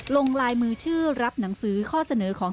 ลงลายมือชื่อรับหนังสือข้อเสนอของ